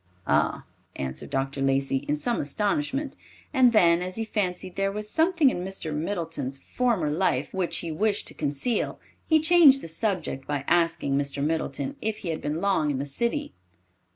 "Ah," answered Dr. Lacey, in some astonishment, and then, as he fancied there was something in Mr. Middleton's former life which he wished to conceal, he changed the subject by asking Mr. Middleton if he had been long in the city.